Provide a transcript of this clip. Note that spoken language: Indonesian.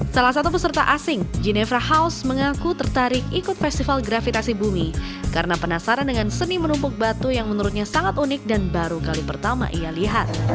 salah satu peserta asing genevra house mengaku tertarik ikut festival gravitasi bumi karena penasaran dengan seni menumpuk batu yang menurutnya sangat unik dan baru kali pertama ia lihat